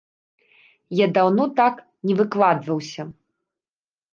Я даўно так не выкладваўся.